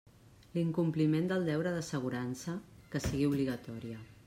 L'incompliment del deure d'assegurança, que sigui obligatòria.